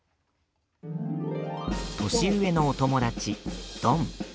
年上のお友達、どん。